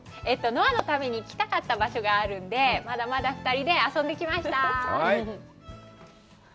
ノアのために行きたかった場所があるのでまだまだ２人で遊んできました。